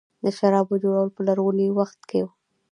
د شرابو جوړول په لرغوني وخت کې وو